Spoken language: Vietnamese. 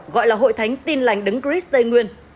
gọi là hội thánh tin lành đấng cris tây nguyên